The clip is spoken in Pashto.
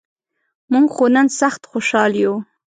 مونږ خو نن سخت خوشال یوو.